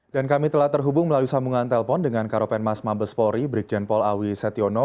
dan kami telah terhubung melalui sambungan telpon dengan karopen mas mabespori brikjen paul awi setiono